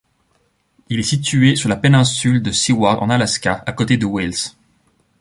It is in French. Il est situé sur la péninsule de Seward en Alaska à côté de Wales.